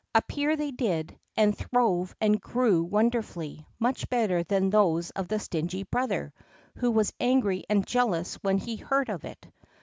Appear they did, and throve and grew wonderfully, much better than those of the stingy brother, who was angry and jealous when he heard of it.